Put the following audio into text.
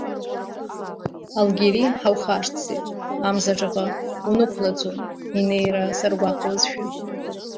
Алгьери, ҳаухашҭӡеит, Амзаҿаҟа унықәлаӡом инеира саргәаҟуазшәа!